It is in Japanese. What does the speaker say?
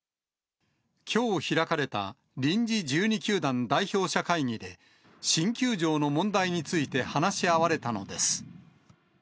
きょう開かれた臨時１２球団代表者会議で、新球場の問題について話し合われたのです。